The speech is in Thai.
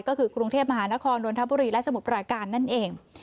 ก็คือกรุงเทพมหานครนนทบุรีและสมุทรปราการนั่นเอง